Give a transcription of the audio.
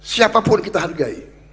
siapapun kita hargai